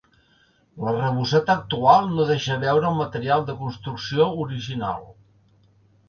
L'arrebossat actual no deixa veure el material de construcció original.